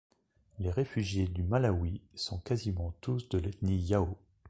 Les réfugiés du Malawi sont quasiment tous de l'ethnie Yao.